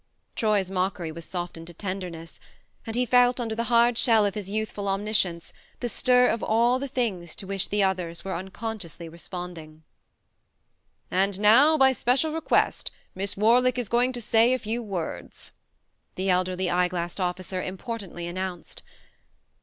... Troy's mockery was softened to tenderness, and he felt, under the hard shell of his youthful omniscience, the stir of all the things to which the others were unconsciously responding. THE MARNE 103 " And now, by special request, Miss Warlick is going to say a few words," the elderly eye glassed officer import antly announced.